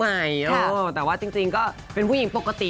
เด็กยุดใหม่ผู้หญิงปกติ